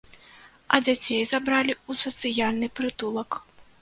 А дзяцей забралі ў сацыяльны прытулак.